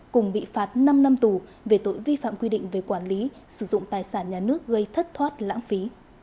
cùng bị phạt năm năm tù về tội vi phạm quy định về quản lý sử dụng tài sản nhà nước gây thất thoát lãng phí